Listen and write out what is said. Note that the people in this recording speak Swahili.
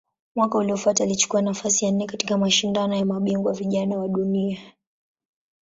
Mwaka uliofuata alichukua nafasi ya nne katika Mashindano ya Mabingwa Vijana wa Dunia.